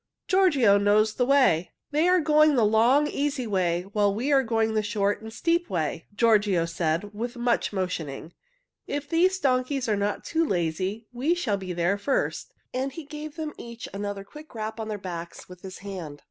Giorgio knows the way." "They are going the long and easy way, while we are going the short and steep way," Giorgio said, with much motioning. "If these donkeys are not too lazy, we shall be there first," and he gave them each another quick rap on their backs with his hand.